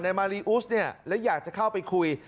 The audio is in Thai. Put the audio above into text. มารีอุสเนี่ยและอยากจะเข้าไปคุย